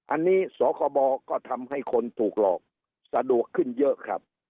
อันนี้สคบก็ทำให้คนถูกหลอกสะดวกขึ้นเยอะครับ